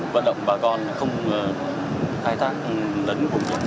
vận động bà con không khai thác đến vùng đất nước ngoài